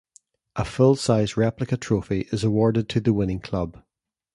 A full-size replica trophy is awarded to the winning club.